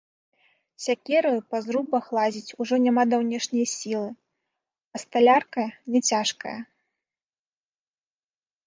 З сякераю па зрубах лазіць ужо няма даўнейшай сілы, а сталярка не цяжкая.